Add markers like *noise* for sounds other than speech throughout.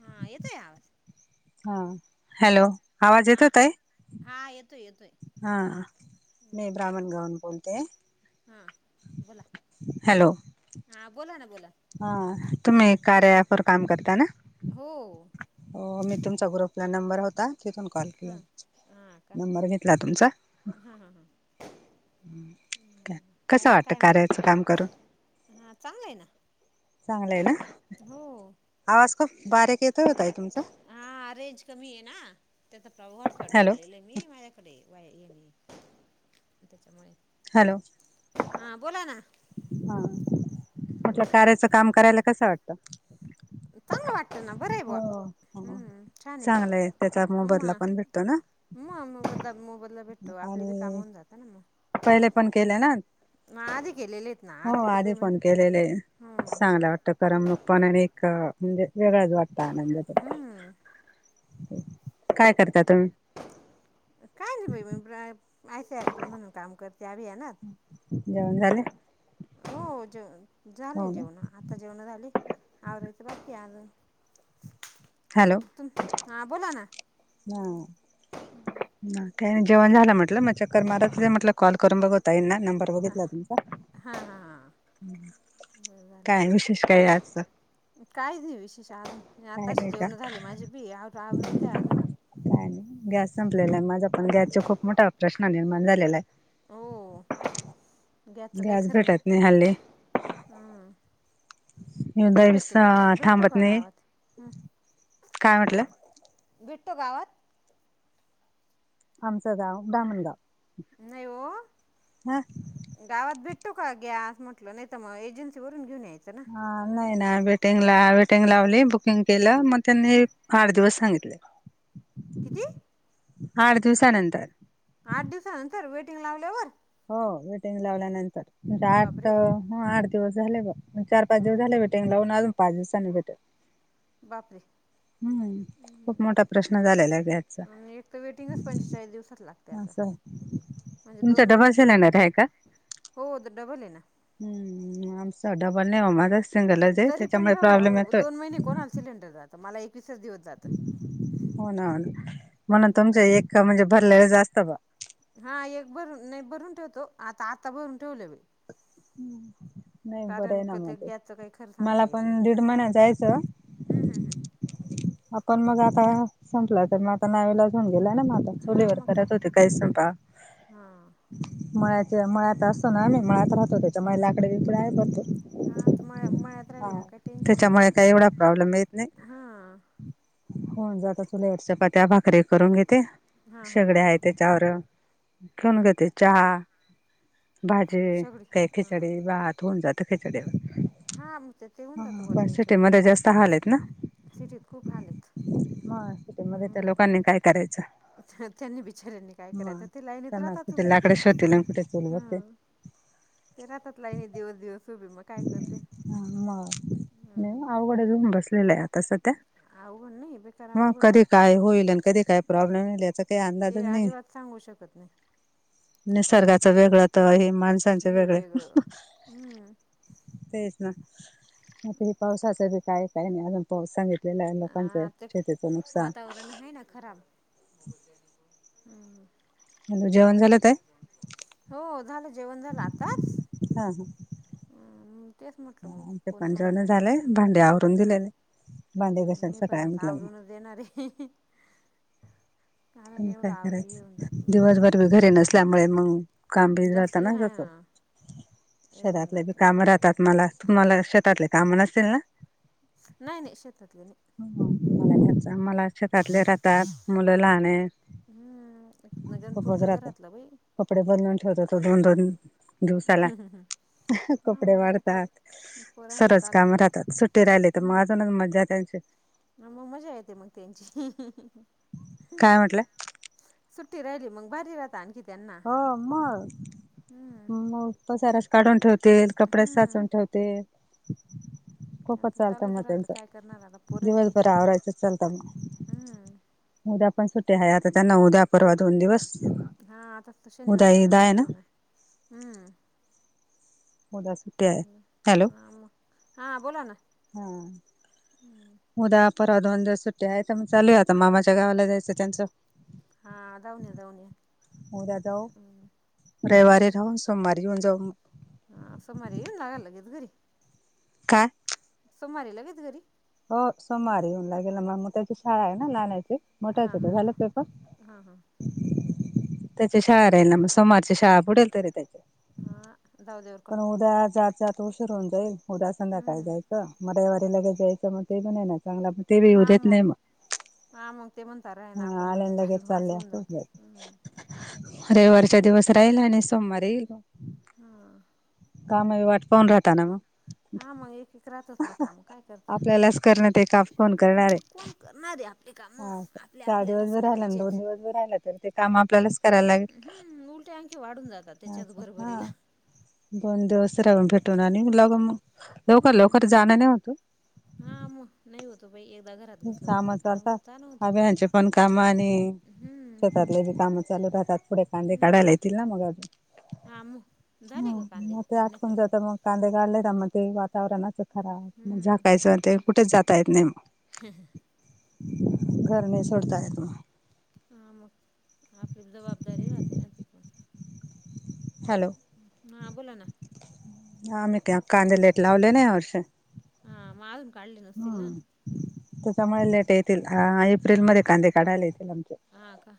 हा येतोय आवाज? हा, हॅलो आवाज हा येतो ताई? हा येतोय येतोय. हा मी ब्राह्मणगावावून बोलतेय. हा बोला, हां बोला ना बोला. हा तुम्ही कार्या ॲप वर काम करता ना? हो मी तुमचा ग्रुपला नंबर होता. तिथून कॉल केला, हां हां का नंबर घेतला तुमचा. हां हां हां कसं वाटत कार्याच काम करून? हा चांगला आहे ना. चांगलं आहे ना, हो आवाज खुप बारीक येतोय हो ताई तुमचा. हा रेंज कमी आहे ना, त्यात व्हॉट्सपॉट हॅलो जोडलेलं आहे मी माझ्या कडे वाया येणे त्याच्यामुळे हॅलो हा बोला ना हा, म्हंटल कार्याचं काम करायला कसं वाटत? चांगलं वाटतं ना बरं आहे बुवा हो हो हम्म छान आहे चांगलंय त्याचा मोबदला पण भेटतो ना. मग मग ब मो मोबदला भेटतो आपली बी काम आणि होऊन जातं ना मग. पहिले पण केले ना? म आधी केलेले ना हो तर आधी पेमेंट फोन केलेला आहे, हं चांगला वाटत करमणूक पण अनि एक म्हणजे वेगळाच वाटत आनंद तो. हम्म काय करता तुम्ही? काय नाही बाई, *unintelligible* पी म्हणून काम करते अभियानात जेवण झाले? हो जेवन झाले हो ना जेवण आता जेवण झाली. आवरायचं बाकी अजून, तुम हा बोला ना. हां काय नाही, जेवण झालं म्हटलं मग चक्कर मारत म्हटलं कॉल करून बघू ताईना नंबर हां बघितला तुमचा, हां हां काय विशेष काही आजचं? काही नाही विशेष आ काय आताशी नाही का जेवण झाली माझी बी, आव आवरते अजून. गॅस संपलेला आहे माझा पण गॅसच खूप मोठा प्रश्न निर्माण झालेला आहे. हो गॅसच काय गॅस खर नाही, भेटत हल्ली हम्म. कुठे दैवस भेटतो *unintelligible* भेटतो थांबत का नाही. गावात? हं. काय म्हटलं? भेटतो गावात? आमचं गाव दामण गाव. नाही वो. गावात भेटतो का गॅस म्हटलं नाही त मग एजन्सी वरून घेऊन यायचं ना. आ नाही ना. वेटिंग ला वेटिंग लावली. बुकिंग केलं. म त्यांनी- आठ दिवस सांगितले. किती? आठ दिवसानंतर. आठ दिवसानंतर वेटिंग लावल्यावर? हो. वेटिंग लावल्यानंतर म्हणजे आठ- बापरे हं. आठ दिवस झाले बघ. म चार पाच दिवस झाले वाट- -ते लावून आजून पाच दिवसांनी भेटलं. बापरे! हम्म. खूप मोठा प्रश्न झालेला ए गॅसचा. आणि एक तर वेटिंगच पंचेचाळीस दिवसात लागतय आता. असं म्हणजे तुमचा दोन डबल महिने सिलेंड- सिलेंडर आहे का? हो. त डबल आहे ना. हम्म. म आमचा डबल नाही. माझा सिंगलच ए. तरी त्याच्यामुळे पण राहू द्या प्रॉब्लेम हो येतोय. दोन महिने कोणाला सिलेंडर जात? मला एकविसच दिवस - हो ना. म्हणून तुमच एक म्हणजे भरलेलच आसत ब्वा. हां. एक भरून, नाही भरून ठेवतो. आता आत्ता भरून ठेवलं मी. हम्म. नाही बरं आहे कारण क ना म ते. गॅसचं काही खरं मला सांगता येत नाही पण दीड महिना जायच- हम्म, हम्म, हम्म. आ पण मग आता, संपलाए तर मग आता नावीलाज होऊन गेलाय ना माझ- हां चूलीवर मग काय करत होते काही स्वयंपाक. हां मळ्याच्या हां मळ्यात अस - -तो ना आम्ही? मळ्यात राहतो त्याच्यामुळे लाकड बिकडे आहे हां भरपूर. तर मळ्या मळ्यात राहिलं हां. मग काही टेन्शन नाही त्याच्यामुळे काही एवढा प्रॉब्लेम येत नाही. हां हां होऊन जाता. चुलीवर चपात्या, भाकऱ्या करून घेते हां हां शेगड्या आहेत. त्याच्यावर ठेऊन घेते चहा- हं. भाजी शेगडी- काही खिचडी, भात होऊन जात खिचडीवर. हा. मग तेहोऊन जात हा बा पण याच्या मधे. सिटीमध्ये जास्त हाल आहेत ना सिटीत खूप हाल येत. सिटी मध्ये त्या लोकांनी काय करायचं? आहेत त्यांनी बिचाऱ्यांनी काय म करायचं ते लाईनीत त्यांना राहतात कुठे उभे लाकडे शोधतील आणि कुठे चूल बघते. *inaudible* हां ते राहतात लाईनीत दिवस दिवस उभे. मग काय करतील? मग नाही अवघड होऊन बसलेलं आहे आता सध्या. अवघड नाहीए. *unintelligible* मग कधी काय होईल आणि कधी काय प्रॉब्लेम येईल याचा काही अंदाज- ते अजिबात सांगू शकत नाही. निसर्गाचं वेगळं तर हे माणसांचे हे वेगळे. वेगळं हम्म तेच ना. आता हे पावसाच बी काय काय नाही अजून पाऊस सांगित- -लेलाय. लोकांचं आ ते शेतीचं नुकसान. वातावरण आहे ना खराब. *inaudible* हम. हॅलो जेवण झालं ताई? हो, झालं जेवण झालं आताच हा हम्म तेच म्हटलं मग,, हा आमचं कोण पण आहे जेवण का हे झालंय करून, भांडे आवरून हं. दिलेले. भांडे हम्म मी घासायला पण सकाळी आता म्हटलं मग आवरूनच देणारे तुम्ही काय करायचं,, दिवसभर मी घरी नसल्यामुळे मग काम बीम राहतं जास्ती ना,, हा येऊन शेतातली बी जातं कामं राहतात मला. तुम्हाला शेतातले काम नसतील ना नाही नाही, शेतातले नाही. म मला शेतातले राहतात, मुलं लहान ये. हम्म, नगनपुरचं घरातलं बाई. कपडे बदलून ठेवतो तो दोन दोन, दिवसाला, हा कपडे मग आता काय वाढतात. पोरांचं सरज चालूच काम राहत राहतात, सुट्टी राहिले तर मग अजूनच मजा आहे त्यांची. हा मग मजा येते मग त्यांची काय म्हंटला? सुट्टी रायली मंग भारी रातं आणखी त्यांना हो म, हम्म मग पसारास काढून ठेवते, कपड्याच हम्म साचून ठेवते. खुप त्यांचं चालतं चालूच म राहतं त्यांच,, काय करणार आता पोरं आहे ते दिवसभर आवरायच चालतंन हम्म. उद्या पण सुट्टी हाय, आता त्यांना उद्या परवा दोन दिवस. हा आता फक्त त शनिवार उद्या रईवार ईद आहे सुट्टी ना. नाई, हम्म. उद्या सुट्याय,, हॅलो. हां मग हां बोला ना. हां. हम्म. उद्या परवा दोन दिवस सुट्ट्याय आता म, चालूया आता मामाच्या गावाला जायचं त्यांचं. हा जाऊन या जाऊन या. ऊद्या जाऊ,, रईवारी राऊन् सोमवारी येऊन जाऊ. हा सोम्मारी यीऊन लागाल लगीच घरी. काय सोम्मारी लगेच घरी? हो, सोम्मारी येऊन लागेल ना म म त्याची शाळाय ना लाण्याची,, हां मोठ्याचे त हां झाले पेपर. हां हां हां त्याची शाळा बरं आहे राहील ना, म सोमारच्या शाळा बुडेल तरी त्याची. हा, जाऊद्या व पण उद्या जात जात त ऊशीर होऊन जाईल, उद्या संध्याकाळी हम्म जायचं, म रयवारी लगेज यायचं म ते बी नाई ना चांगला ते बी येऊ देत नाई म. हा मग ते म्हणता र्हायना आपण म्हणतो चाल्लो असं होऊन जातं,, ऊं. रईवारच्या दिवस राहिल आणि सोम्मारी येईल ब्वा. हां. कामई वाट पाऊन राहताना म. हा म एक एक् आपल्यालाच करणय ते काम. कोन हां करणारे,, मग कोण करणार आहे आपली कामं आपल्या चार आपल्यालाच दिवसबी रायलं न करायचे दोन आहेत दिवसबी राहिलं तरी ते काम आपल्यालाच करायला लागेल. हम्मं उलट्यां आणंखी वाढूंन जातांत त्यांच्याच अच्छा हा बरोबरीलां दोन दिवसं राहूंन भेटूंन आणि यीऊंन लागुं मगं लवकरं हम्म लवकरं जाणं नाई होतं ओ हां मं नाई होतं ओ बाई एकदां घरांत ओ घुंसल मं काम काई चालतात. कामं जाणं होतं कां शेतांतले बी कामं चालूं राहतांत पुढे कांदे काढांयला येतील नां मगं अजूंन हां मं- मं मं ते आटकूंन जातं मंग कांदे काडले त्यां मं ते आंता राणाचं करां मगं हम्म झाकायचं ते कुठेचं जातां येतं नाहीं मंग हं हं घरं नाई सोडतांयेत मं हां मंग आपली जबाबदारी रहाते नां ति पणं हॅलो हां बोला ना हां आम्हीं कां कांदे लेट लावले नां यां वर्षी हां मं अजूंन काढले नसतील नां त्यांच्यामुळे लेट येतील आं एप्रिलमध्यें हां कांदे काढांयला येतील आमचे हां कां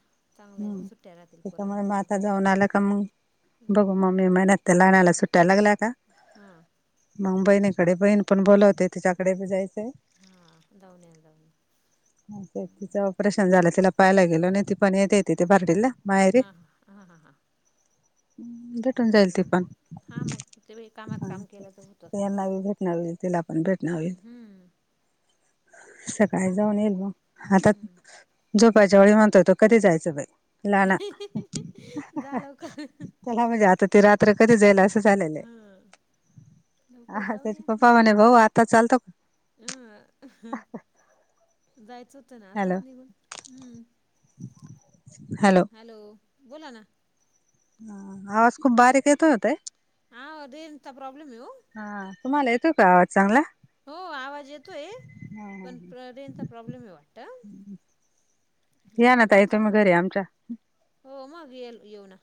हम्मं त्यांच्यामुळे नां आंता जाऊंन आंल कां मंग बघूं मंग मे महिन्यांत त्यां लाहाण्यांला सुट्ट्यां लागल्यां कां हं मंग बहिणीकडे बहीण पणं बोलांवते तिच्यांकडे बी जायचं आहे हां जाऊंन येजो जरां. हं तिच ऑपरेशन झालंय तिलां पाहायला गेलं आणि ती पणं येतं येतिथे भारडीला हां हां हां हां हां भेटूंन जाईल ति चांगलं ना पणं हां मग ते कामात हां काम केलं तर होतं त्यांना भेटणारं आहे. तिलां पणं भेटणं होईल. हम्म सकाळीं जाऊंन येईल. बरोबर. मंग आंता हम्म झोपाच्यां वेळी म्हणतोय. तो कधी जायचं बाई नाना जा लवकर त्यांला भी जातं होते. रातं तरं कधीं जायंल असं झालेले. हां आं लवकर हां त्यांच्या पप्पां म्हंणे भाऊ आंता चालतो कां हंहं हं जायचं होतं नां हॅलो आताचं निघूंन हम्मं हॅलो बोलां नां हं हं आवांज खूपचं बारीक येतो होते नां. हां रेंज चां प्रॉब्लेम आहे येव हां तुम्हांला येतोय कायं आवांज चांगला. हो आवांज येतोय पणं रेनचा प्रॉब्लेम आहे वाटतं. यां नां हम्म, मला ताई चांगलं तुम्हीं येतं. घरी आमच्या हो मगं येलं येऊं नां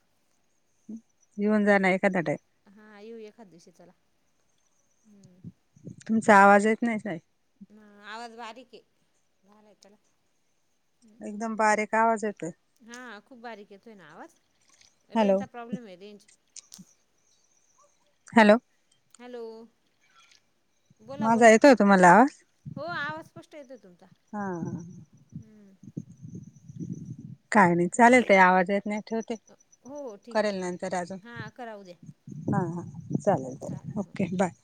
मी म्हणलं नाहीं कां ताटं आहे हां येऊं एखांद्या दिवशी चलां हम्मं तुमचां आवांज येतं नाहीं ताई हां आवांज बारीक आहे बाहेर चलां हम्मं एकदंम बारीक आवांज येतोय. हां खूंप बारीक येतोय नां आवांज हॅलो रेंजचा प्रॉब्लेम आहे. रेंज हॅलो हॅलो बोला माझां बोला येतोय कां तुम्हांला आंवाज हो आवांज स्पष्टं येतोय. तुमचां हम्मं काय नाही चालेल ताई आवाज येत नाही. ठेवते हो हो ठीक आहे करेल ठीक नंतर अजून. आहे हां करा उद्या हा हा हं, चालेल चालेल हो ओके बाय.